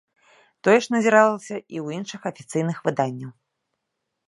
Тое ж назіралася і ў іншых афіцыйных выданняў.